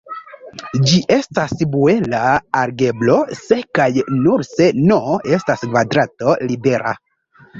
Ĝi estas bulea algebro se kaj nur se "n" estas kvadrato-libera.